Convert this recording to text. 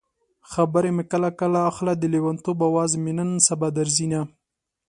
خبر مې کله کله اخله د لېونتوب اواز مې نن سبا درځينه